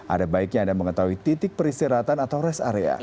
ada baiknya anda mengetahui titik peristirahatan atau rest area